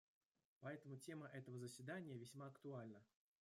Поэтому тема этого заседания весьма актуальна.